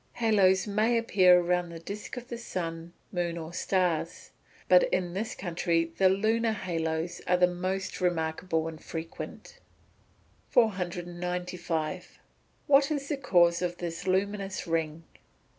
Haloes may appear around the disc of the sun, moon, or stars. But in this country the lunar haloes are the most remarkable and frequent. 495. _What is the cause of the luminous ring?